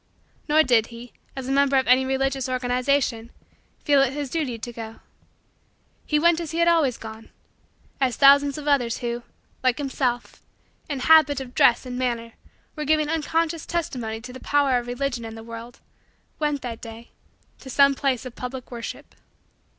Nor did he, as a member of any religious organization, feel it his duty to go. He went as he had always gone as thousands of others who, like himself, in habit of dress and manner were giving unconscious testimony to the power of Religion in the world, went, that day, to some place of public worship.